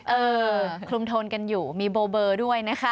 เออคลุมโทนกันอยู่มีโบเบอร์ด้วยนะคะ